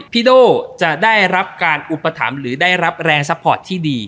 พี่โดจะได้รับการอุปถัมภ์หรือได้รับแรงสะพรที่ดี